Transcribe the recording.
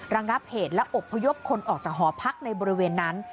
ระงับเหตุและอบพยพคนออกจากหอพักในบริเวณนั้น